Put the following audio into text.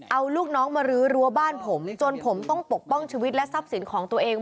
เอาลูกน้องมารื้อรั้วบ้านผมจนผมต้องปกป้องชีวิตและทรัพย์สินของตัวเอง